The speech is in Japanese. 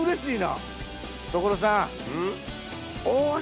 所さん。